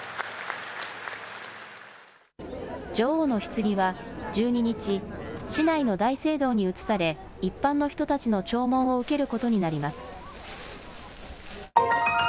女王のひつぎは１２日、市内の大聖堂に移され一般の人たちの弔問を受けることになります。